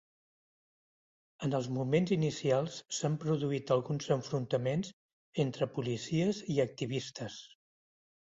En els moments inicials s’han produït alguns enfrontaments entre policies i activistes.